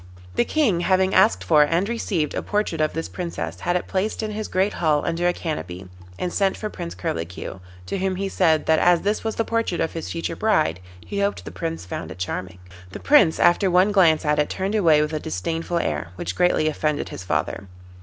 The King, having asked for and received a portrait of this Princess, had it placed in his great hall under a canopy, and sent for Prince Curlicue, to whom he said that as this was the portrait of his future bride, he hoped the Prince found it charming. The Prince after one glance at it turned away with a disdainful air, which greatly offended his father.